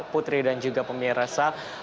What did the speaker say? putri dan juga pemirsa